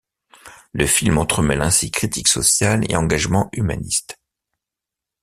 Le film entremêle ainsi critique sociale et engagement humaniste.